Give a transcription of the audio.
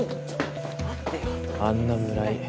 あんな村井